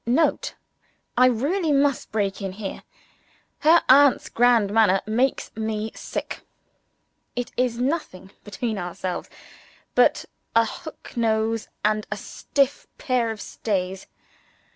[Note. I really must break in here. Her aunt's "grand manner" makes me sick. It is nothing (between ourselves) but a hook nose and a stiff pair of stays.